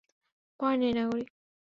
ভয় নেই, নাগরিক।